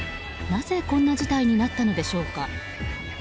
なぜこんな事態になったのでしょうか。